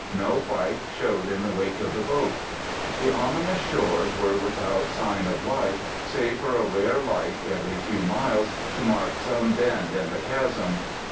No white showed in the wake of the boat. The ominous shores were without sign of life, save for a rare light every few miles, to mark some bend in the chasm.